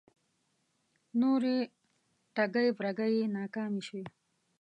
نورې ټگۍ برگۍ یې ناکامې شوې